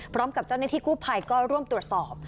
พร้อมกับเจ้าหน้าที่กู้ภัยก็ร่วมตรวจสอบ